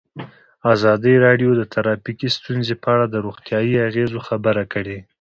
ازادي راډیو د ټرافیکي ستونزې په اړه د روغتیایي اغېزو خبره کړې.